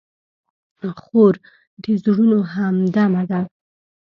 خور د زړونو همدمه ده.